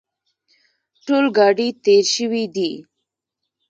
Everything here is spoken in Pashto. ټول ګاډي تېر شوي دي.